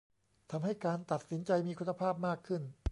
ทำให้การตัดสินใจมีคุณภาพมากขึ้น